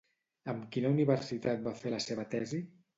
Amb quina universitat va fer la seva tesi?